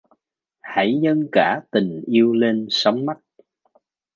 Hãy dâng cả tình yêu lên sóng mắt!